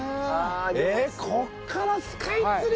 えっここからスカイツリー？